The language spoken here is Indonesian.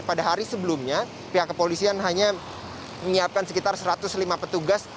pada hari sebelumnya pihak kepolisian hanya menyiapkan sekitar satu ratus lima petugas